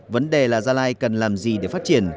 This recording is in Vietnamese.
vấn đề là gia lai cần làm gì để phát triển